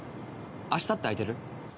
明日って空いてる？